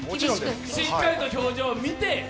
しっかりと表情見て。